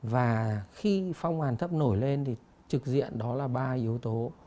và khi phong hoàn thấp nổi lên thì trực diện đó là ba yếu tố